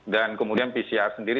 dan kemudian pcr sendiri